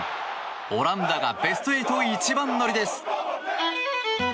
オランダがベスト８一番乗りです。